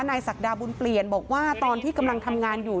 ศักดาบุญเปลี่ยนบอกว่าตอนที่กำลังทำงานอยู่